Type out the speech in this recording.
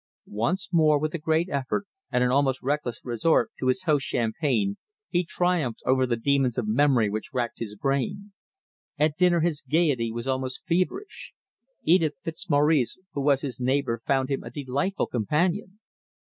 Once more, with a great effort, and an almost reckless resort to his host's champagne, he triumphed over the demons of memory which racked his brain. At dinner his gayety was almost feverish. Edith Fitzmaurice, who was his neighbour, found him a delightful companion.